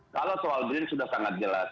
kalau soal green sudah sangat jelas